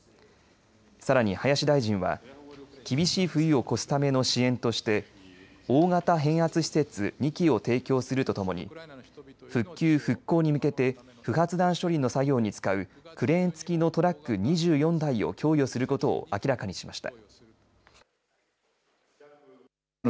さらに林大臣は厳しい冬を越すための支援として大型変圧施設２基を提供するとともに復旧・復興に向けて不発弾処理の作業に使うクレーン付きのトラック２４台を供与することを明らかにしました。